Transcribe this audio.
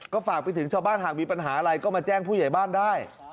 ก็ฝากไปถึงชาวบ้านหากมีปัญหาอะไรก็มาแจ้งผู้ใหญ่บ้านได้